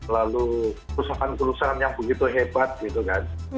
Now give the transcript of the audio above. lalu perusahaan perusahaan yang begitu hebat gitu kan